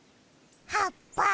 はっぱ！